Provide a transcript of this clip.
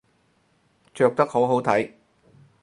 着得好好睇